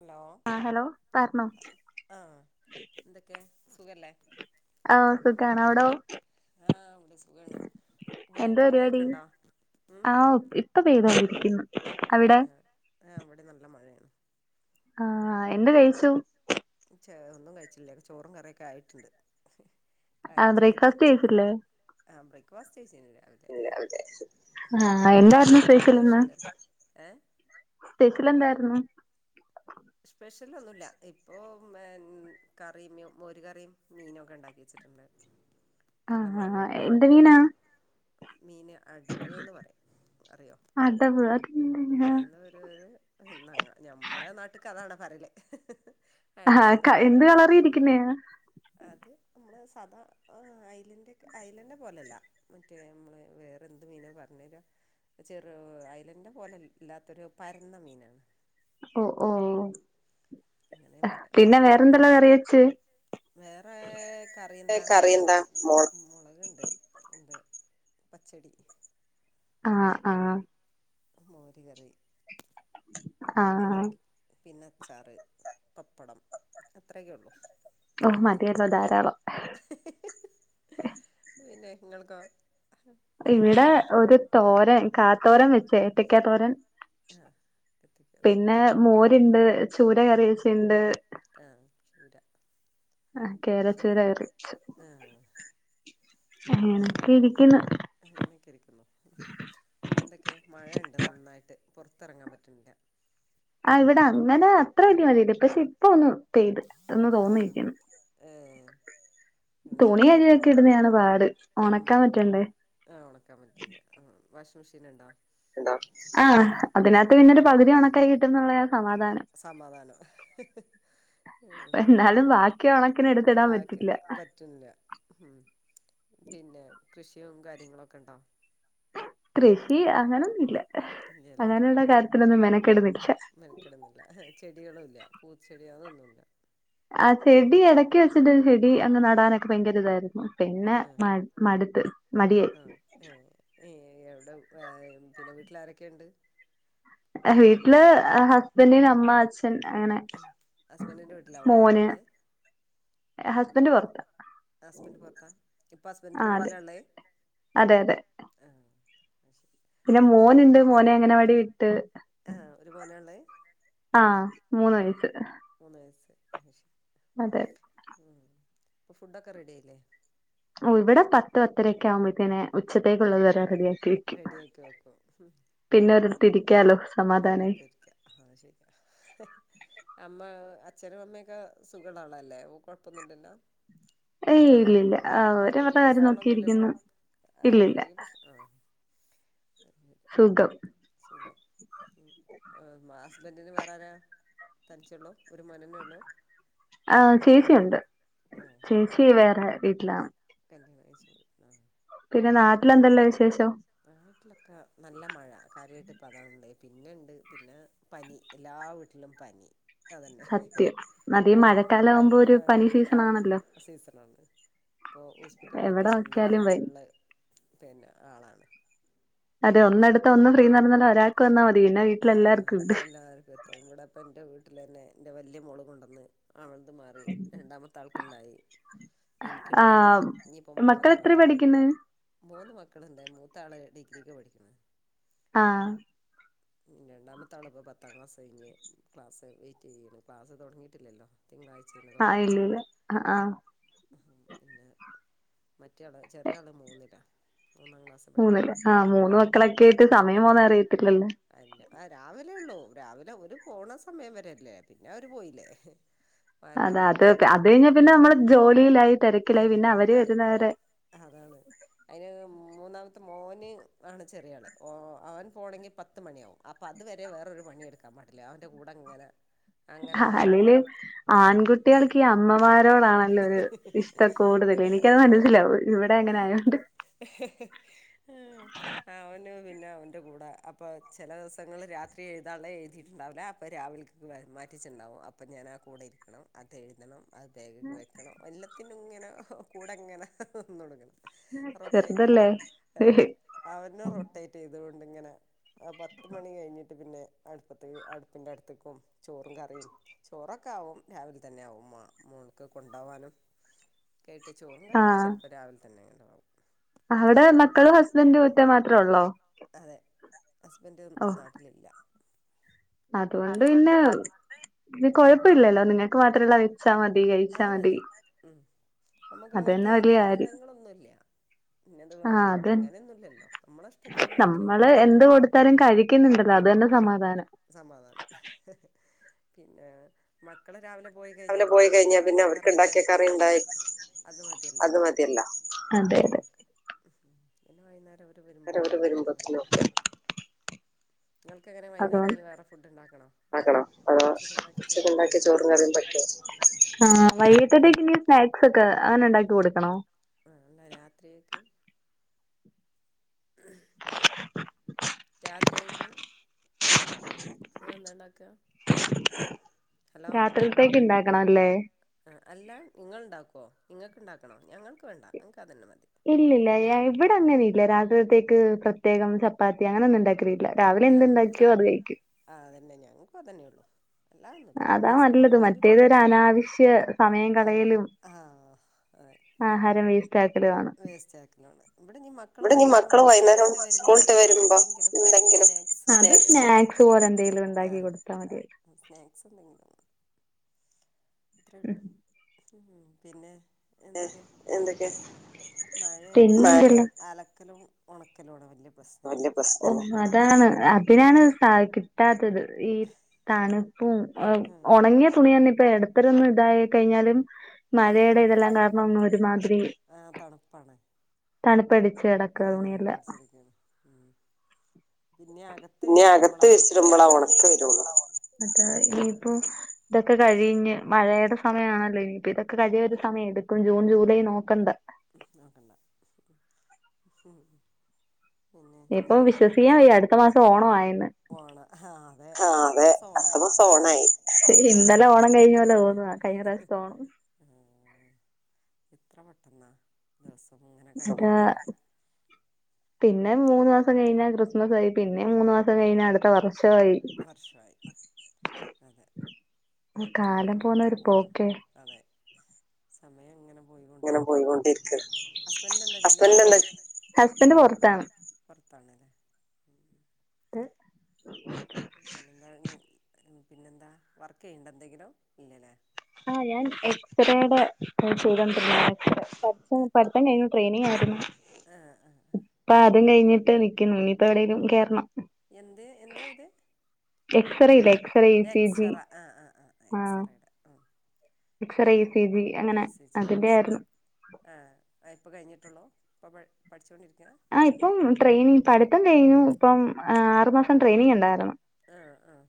Hello ആഹ് എന്തൊക്കെ സുഖല്ലേ ആഹ് സുഖാണ് അവ്ടോ എന്താ പരിപാടി ആഹ് ഇപ്പ പെയ്തോണ്ടിരിക്കുന്നു അവിടെ ആഹ് ഇവിടെം നല്ല മഴയാണ് ആഹ് എന്ത്‌ കഴിച്ചു ചെ ഒന്നും കഴിച്ചില്ല ചോറും കറിയൊക്കെ ആയിട്ടുണ്ട് കഴിച്ചിട്ടില്ല ആഹ് ബ്രേക്ക്ഫാസ്റ്റ് കഴിച്ചീന് ആഹ് എന്തായിരുന്നു സ്പെഷ്യല്ന്ന് സ്പെഷ്യല് എന്തായിരുന്നു സ്പെഷ്യൽ ഒന്നുല്ല ഇപ്പോ കറി മോര് കറിയും മീൻ ഒക്കെ ഇണ്ടാക്കി വെച്ചിട്ട്ണ്ട് നല്ല മഴയാണ് മീന് അടവ് ന്ന് പറയും അറിയോ അടവ് അതെന്ത് അന്നവരൊരു ഞങ്ങ ഞമ്മളെ നാട്ട്ക്ക് അതാണ് പറയല് ആഹ് ക എന്ത് കളറിയിരിക്കുന്നെയാ അത് നമ്മള് സാദാ ഐലന്റെക്കെ ഐലന്റെ പോലെയല്ല മറ്റേ നമ്മളെ വേറെ എന്ത് മീന പറഞ്ഞേരാ ചെറു ഐലന്റെ പോല ല്ലാത്തൊരു പരന്ന മീനാണ് ഒഹ് ഓഹ് പിന്നെ വേറെന്തല്ലാ കറി വെച്ച് വേറേ കറി എന്താ മുളക് മുളകെണ്ട് ഇണ്ട് പച്ചടി ആഹ് ആഹ് മോര് കറി ഇണ്ടാക്കി പിന്നെ അച്ചാറ് പപ്പടം അത്രയൊക്കെ ഉള്ളൂ ഓഹ് മതിയല്ലോ ധാരാളം പിന്നെ നിങ്ങള്ക്കോ ഇവിടേ ഒരു തോരൻ കാത്തോരൻ വെച്ചേ ഏത്തക്കാ തോരൻ പിന്നേ മോരി ണ്ട് ചൂര കറിവെച്ചതെണ്ട് ആഹ് കേര ചൂര കറിവെച്ചു ഉം ഉം അങ്ങനക്ക ഇരിക്കുന്നു അങ്ങനെക്കെ ഇരിക്കുന്നു പിന്നെ എന്തൊക്കെയാ മഴെണ്ട് നന്നായിട്ട് പൊറത്തെറങ്ങാൻ പറ്റണില്ല ആഹ് ഇവിടെ അങ്ങനെ അത്ര വല്ല്യ മഴയില്ല പക്ഷെ ഇപ്പ ഒന്ന് പെയ്ത് ഒന്ന് തോന്നിക്കണ് ഏഹ് തുണി കഴുകിയൊക്കെ ഇടുന്നതാണ് പാട് ഒണക്കാൻ പറ്റണ്ടേ ആഹ് ഒണക്കാൻ പറ്റണില്ല വാഷിംഗ് മെഷീൻ ഇണ്ടാ ആഹ് അതിനകത്ത് പിന്നൊരു പകുതി ഒണക്കായി കിട്ടും എന്നുള്ളയാ സമാധാനം സമാധാനം ഉം ബാക്കി പ റ്റണില്ല ഉം പിന്നെ കൃഷിയും കാര്യങ്ങളൊക്കെ എണ്ടോ കൃഷി അങ്ങനൊന്നുല്ല അങ്ങനെയുള്ള കാര്യത്തിനൊന്നും മെനക്കെടുന്നില്ല ക്കെടുന്നില്ല ചെടികളും ഇല്ല പൂച്ചെടിയോ അതൊന്നും ഇല്ല ആഹ് ചെടി ഇടയ്ക്ക് വെച്ചിട്ട് ചെടി അങ്ങുന ടാനൊക്കെ ഭയങ്കര ഇതായിരുന്നു പിന്നെ മ മടുത്ത് മടിയായി ആഹ് ഏഹ് എവിടെ വേ പിന്നെ വീട്ടിലാരൊക്കെ ഇണ്ട് വീട്ടില് ഹസ്ബൻഡ് അമ്മ അച്ഛ ഉം ഹസ്ബൻഡിന്റെ വീട്ടിലാവുല്ലേ എള്ളത് ഹസ്ബൻഡ് പുറത്താ ഇപ്പൊ ഹസ്ബൻഡിന്റെ വീട്ടിലാ എള്ളേ അതെ അതെ ആഹ് അത്‌ ശെ പിന്നെ മോനിണ്ട് മോനെ അംഗനവാടീ വിട്ട് ആഹ് മൂന്ന് വയസ്സ് മൂന്നു വയസ്സ് അത്‌ ശ അതെ ഉം അപ്പ ഫുഡൊക്കെ റെഡി ആയില്ലേ ഓഹ് ഇവിടെ പത്ത് പത്തര ഒക്കെ ആവുമ്പഴത്തേന് ഉച്ചത്തേക്കുള്ളത് വരെ റെഡി ആവും റെഡിയാക്കി വെക്കും ഹും പിന്നൊരടത്തിരിക്കാല്ലോ സമാധാനായി ആഹ് അത്‌ ശരിയാ അമ്മാ അച്ഛനും അമ്മയൊക്കെ സുഖോള്ളാളല്ലേ കൊഴപ്പൊന്നും ഇല്ലല്ലോ ആഹ് ആരോഗ്യ പ്രശ്നങ്ങളൊന്നും ഇല്ലല്ലോ ആഹ് ആരോഗ്യ പ്രശ് ആഹ് [unintelligible] സുഖം ഉം ആഹ് ഹസ്ബൻഡിന് വേറാരാ തനിച്ചുള്ളൂ ഒരു മോനനേള്ളൂ ആഹ് ചേച്ചിയുണ്ട് ചേച്ചി വേറെ വീട്ടിലാണ് കല്യാണം കഴിച്ചു ആഹ് പിന്നെ നാട്ടില് എന്തല്ലോ വിശേഷം നാട്ടിലൊക്കെ നല്ല മഴ കാര്യമായിട്ട് ഇപ്പ അതാന്ന് ഉണ്ട് പിന്നെണ്ട് പിന്നെ പനി എല്ലാ വീട്ടിലും പനി അതന്നെ പനി മഴണ്ട് ആഹ് മഴന്നെ സീസൺണ് ഇപ്പോ ഹോസ്പിറ്റലിലൊക്കെ ചെന്നാ ഫുള്ള് പിന്നെ ആളാണ് അതെ ഒന്നെടുത്ത ഒന്ന് ഫ്രീന്ന് പറഞ്ഞാ പോലെ ഒരാൾക്ക് വന്നാൽ മതി പിന്നെ വീട്ടിലെല്ലാവർക്കും ഉണ്ട് ഇവിടെപ്പ എന്റെ വീട്ടിൽ തന്നെ എന്റെ വല്യയ മോള് കൊണ്ടുവന്ന് ആളത് മാറി രണ്ടാമത്തെ ആൾക്കുണ്ടായി ഇനക്കുണ്ടായി ഇനിയിപ്പം മോന് മാത്രം പക്ക മൂന്ന് മക്കളുണ്ട് മൂത്താള് ഡിഗ്രിക്ക് പഠിക്കണ ആഹ് [inaudible] രണ്ടാമത്തെ ആള് ഇപ്പോ പത്താം ക്ലാസ് കഴിഞ് ക്ലാസ് വെയിറ്റ് ചെയ്യന്ന് ക്ലാസ് തുടങ്ങിയിട്ടില്ലല്ലോ തിങ്കളാഴ്ച തുടങ്ങുന്നത് പിന്നെ മറ്റയാള് ചെറിയ ആള് മൂന്നില മൂന്ന ആഹ് മൂന്ന് മക്കളൊക്കെ ആയിട്ട് സമയം പോന്നേ അറിയത്തില്ലല്ലോ അല്ല ആഹ് രാവിലെ ഉള്ളൂ രാവിലെ ഒരു പോണ സമയം വരെ അല്ലേ പിന്നെ അവര് പോയില്ലേ [inaudible] അതെ അത് അത് കഴിഞ്ഞാ പിന്നെ നമ്മള് ജോലിയിലായി തിരക്കിലായി പിന്നെ അവര് വരുന്നവരെ അതാണ് അതിന് മൂന്നാമത്തെ മോന് ആണ് ചെറിയൾ അവൻ പോകണമെങ്കിൽ പത്ത് മണിയാവും അപ്പൊ അതുവരെ വേറൊരു പണിയെടുക്കാൻ പാടില്ലേ അവന്റെ കൂടെ ഇങ്ങനെ അല്ലെല് ആൺകുട്ടികൾക്ക് ഈ അമ്മമാരോടാണല്ലോ ഒരു ഇഷ്ട കൂടുതല് എനിക്കത് മനസ്സിലാവും ഇവിടെ അങ്ങനെ ആയൊണ്ട് ആഹ് ആഹ് അവന് പിന്നെ അവന്റെ കൂടെ അപ്പൊ ചില ദിവസങ്ങള്ൾ രാത്രി എഴുതാന് ഒള്ളെ എഴുതിയിട്ടുണ്ടാവില്ല അപ്പൊ രാവിലക്ക് മാറ്റിട്ടുണ്ടാാവും അപ്പം ഞാൻ ആഹ് കൂടെ ഇരിക്കണം അതെഴുതണം അത് വെക്കണം എല്ലത്തിനും ഇങ്ങനെ കൂടെ ഇങ്ങനെന്ന തുടുങ്ങണം റൊട്ടേറ്റ് ചെയ്ത് അവനും റൊട്ടേറ്റ് ചെയ്തൊണ്ട് ഇങ്ങനെ ആഹ് പത്ത് മണി കഴിഞ്ഞിട്ട് പിന്നെ അടുപ്പ അടുപ്പിന്റെ അടുത്തേക്കും ചോറും കറിയും ചോറൊക്കെ ആവും രാവിലെ തന്നെ ആകും മോൾക്ക് കൊണ്ടോവാനും കേട്ടി ചോറും കറിയൊക്കെ ചിലപ്പോൾ രാവിലെ തന്നെ ഉണ്ടാകും അവിടെ മക്കളും ഹസ്ബൻറും ഒറ്റ മാത്രേ ഉള്ളോ അതെ ഹസ്ബൻഡ് നാട്ടിലില്ല അതുകൊണ്ട് പിന്നെ ഇനി കുഴപ്പ ഇില്ലല്ലോ നിങ്ങൾക്ക് മാത്രമല്ലള്ള വെച്ചാ മതി കഴിച്ചാൽ മതി നമുക്ക് അങ്ങനത്തെ നിർബന്ധങ്ങളൊന്നുല്ല്യ ഇന്നത് വേണം അങ്ങനെയൊന്നുല്ലല്ലോ നമ്മള ഇഷ്ടത്തിന് എന്തെങ്കിലും കഴിക്കുന്ന് ഉണ്ടല്ലോ അത് തന്നെ സമാധാനം സമാധാനം പിന്നെ മക്കള രാവിലെ പോയി കഴിഞ്ഞാ പിന്ന അവർക്ക് ഇണ്ടാക്കിയ കറിണ്ടായി അത് മതിയല്ല നമ്മക്ക് പിന്ന വൈകുന്നേര അത് വരുമ്പത്തേന് നോക്കിയാ മതി അതോ അതോ അ ഉച്ചക്കുണ്ടാക്കിയ ചോറും കറിയും പറ്റോ. ആ വൈകിട്ടത്തേക്ക്‌ ഇനി സ്നാക്സ് ഒക്കെ അങ്ങനെ ഉണ്ടാക്കിട്ട് കൊടുക്കണോ? ഇന്ന് രാത്രിയിക്ക്. ഉം രാത്രിയേക്ക്‌ ഇങ്ങള് എന്താണ്ടാക്ക. രാത്രിത്തേക്ക് ഇണ്ടാക്കണംല്ലേ ആ അല്ല നിങ്ങൾ ഉണ്ടാക്കോ നിങ്ങൾക്ക് ഉണ്ടാക്കണോ ഞങ്ങൾക്ക് വേണ്ട ഞങ്ങൾക്ക് അത് തന്നെ മതി. ഇല്ലല്ല എ ഇവിടെ അങ്ങനെ ഇല്ല രാത്രിത്തേക്ക് പ്രത്യേകം ചപ്പാത്തി അങ്ങനെയൊന്നും ഉണ്ടാക്കലില്ല. രാവിലെ എന്തുണ്ടാക്കിയോ അത് കയ്ക്കും. ആഹ് അതന്നെ ഞങ്ങക്ക് അതന്നെ ഉള്ളു. അതാ നല്ലത് മറ്റേതൊരു അനാവശ്യ സമയം കളയലും. ആഹ് അ ആഹാരം വേസ്റ്റ്. ചായകടി കാണും ഇവിടെനി മക്കള് വൈകുന്നേരം സ്കൂൾവിട്ടു വരുമ്പോ എന്ത അത് സ്നാക്സ് പോലെ എന്തെങ്കിലും ഉണ്ടാക്കി കൊടുത്താൽ മതി. ആഹ് സ്നാക്സ് എന്തങ്കിലുമതി. അത്രേള്ളു മം പിന്നെ എന്തൊക്കെ മഴയായിട്ടുള്ള അലക്കലും. ഉണക്കലോടെ വലിയ പ്രശ്നല്ലെ. ഓഹ് അതാണ് അതിനാണ് സായി കിട്ടാത്തത് ഈ തണു ഉണങ്ങിയ തുണി തന്നെ ഇപ്പ ഇടത്തര ഒന്ന ഇതായി കഴിഞ്ഞാലും. മഴയുടെ ഇതെല്ലാ കാരണം ഒരുമാതിരി. തണുപ്പടിച്ച് കെടക്കാ തുണിയല്ല ഉം പിന്നെ അകത്ത് വിരിച്ചിടുമ്പോള ഒണക്ക വരുള്ളു. അതാ എന്താ ഇനിയിപ്പോ ഇതൊക്കെ കഴിഞ്ഞ് മഴയുടെ സമയാണല്ലോ ഇനിപ്പ ഇതൊക്കെ കഴിയ ഒരു സമയം എടുക്കും ജൂൺ ജൂലൈ നോക്കേണ്ട. നോക്കണ്ട ഉം പിന്നെ ഇനി ഓഗസ്റ്റ് ഓണം അതെ അപ്പ ഒണായി മം എത്ര പെട്ടെന്ന. ദിവസങ്ങൾ സധ പിന്നെ മൂന്ന് മസം കഴിഞ്ഞാൽ ക്രിസ്മസ് ആയി പിന്നെ മൂന്ന് മാസം കഴിഞ്ഞാ അടുത്ത വർഷായി. വർഷായി അതെ അങ്ങനെയാണ്‌ പോ അതെ സമയം ഇങ്ങനെ ഇങ്ങനെ പോയികൊണ്ടിരിക്കാ ഹസ്ബൻഡ്ന്തേ ഹസ്ബൻഡ് പുറത്താണ്. പുറത്തണ് ല്ലേ മം ട്ട് [unintelligible] പിന്നെന്താണ് എ പിന്നെന്താ വർക്ക് ചെയ്യണ്ട എന്തെങ്കിലും ഇല്ലല്ലേ? ആഹ ഞാൻ എക്സ്റേയുടെ ചെയ്തൊണ്ടണ്ട എക് ചൊയ് ഇപ്പം പറിത്തം കഴിഞ്ഞു ട്രെയിനിങ്ങ് ആയിരുന്നു. അപ്പ അതും കഴിഞ്ഞിട്ട് നിക്കുന്നു ഇനിയിപ്പം എവിടെങ്കിലും കേറണം. എന്ത് എന്താ ഇത്. എക്സ്റേ യിലൊ എക്സ്റ ആഹ് ആഹ് ആഹ് എക്സ്റയുടെ ഉമ് അയ് ശരി ഇ സി ജി ഉം ആഹ് ഇപ്പം കഴിഞ്ഞിട്ടുള്ളൂ ഇപ്പ പഠിച്ചുകൊണ്ടിരിക്ക ആഹ് ഇപ്പം ട്രെയിനി പഠിത്തം കഴിഞ്ഞു ഇപ്പം ആറുമാസം ട്രെയിനിങ് ഉണ്ടായിരുന്നു ആഹ് ആഹ്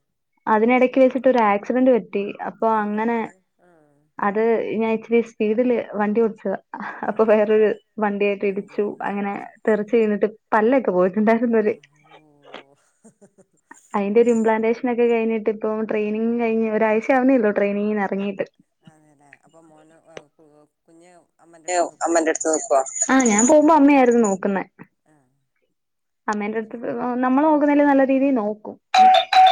അതിനിടക്ക് വെച്ചിട്ട് ഒരു ആക്സിഡന്റ് പറ്റി അപ്പൊ അങ്ങനെ ആഹ് അത് ഞാൻ ഇച്ചരി സ്പീഡില് വണ്ടി ഓടിച്ചതാ അപ്പൊ വേറൊരു വണ്ടിയായിട്ട് ഇടിച്ചു അങ്ങനെ തെറച്ച് വീണ്ട്ട് പല്ലൊക്കെ പോയി [unintelligible] അയ്ന്റെ ഒരു ഇംപ്ലാന്റേഷൻ ക്കെ കഴിഞ്ഞിട്ട ഇപ്പ ട്രെയിനിങ് കഴിഞ് ഒരാഴ്ച ആവുന്നേള്ളൂ ട്രെയിനിങ്ങി ഇറങ്ങയിയിട്ട് അതെല്ലെ അപ്പൊ മോനോ കുഞ് അമ്മ ഞ്ഞ്അമ്മ അടുത് നിൽക്കോ ആ ഞാൻ പോകുമ്പോ അമ്മയായിരുന്നു നോക്കുന്ന ആഹ് അമ്മേന്റെ അടുത്ത് നിന്ന നമ്മള് നോക്കുന്നതിലൽ നല്ല രീതിയിൽ നോക്കും നോക്കും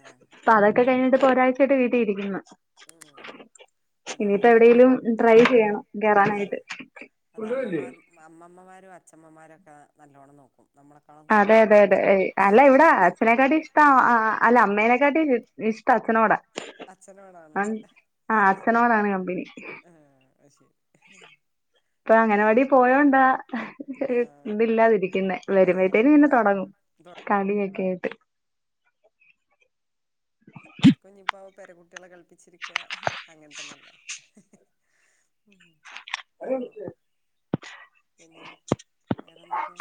ആഹ് അപ്പ അതൊക്കെ കഴിഞ്ഞിട്ട് പ്പോ ഒരാഴ്ച്ചയിട്ട് വീട്ടിരിക്കുന്നു ഇനിയിപ്പോ എവിടെേലും ട്രൈ ചെയ്യണം കേറാനായിട്ട് അമ്മമാ അമ്മമ്മമാരും അച്ഛമ്മമാരൊക്കെ നല്ലോണ്ണം നോക്കും നമ്മള അതെ അതെ അല്ല ഇവിടെ അച്ഛനെക്കാട്ടി ഇഷ്ട ആഹ് അല്ല അമ്മേനെക്കാട്ടി ഇഷ്ടം അച്ഛനോട ആ ആഹ് അച്ഛനോടാണ് കമ്പിനി ആഹ് അ യ്ശരി ഇപ്പൊ അഗൻവാടി പോയോണ്ടാ ഇതില്ലാതിരിക്കുന്ന വരുബയത്തേന് പിന്നെ തോടങ്ങും കളിയൊക്കെ ആയിട്ട് അവർക്ക് ഞ്ഞി ഇപ്പോ പെരകുട്ടികളെ കളിപ്പിച്ചിരിക്ക അങ്ങനെ തന്നെല്ലേ ഉംമ് ആഹ് പിന്നെ വേറെന്തൊക്കെയ